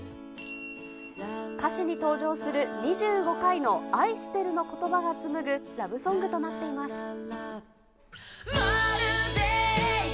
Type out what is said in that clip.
歌詞に登場する２５回のあいしてるのことばが紡ぐラブソングとなっています。